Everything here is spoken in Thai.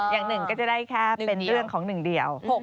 อย่างหนึ่งก็จะได้แค่เป็นเรื่องของหนึ่งเดียว